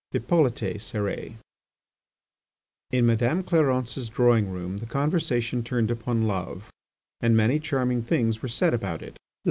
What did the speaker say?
HIPPOLYTE CÉRÈS In Madame Clarence's drawing room the conversation turned upon love, and many charming things were said about it.